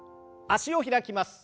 脚を開きます。